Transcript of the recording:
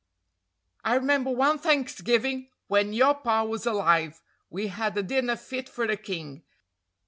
"I remember one Thanksgiving when your pa was alive, we had a dinner fit for a king.